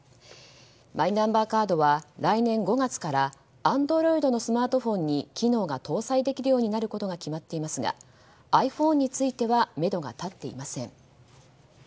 マイナンバーカードは来年５月からＡｎｄｒｏｉｄのスマートフォンに機能が搭載できるようになることが決まっていますがｉＰｈｏｎｅについてはめどが立っていません。